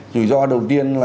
tùy do đầu tiên là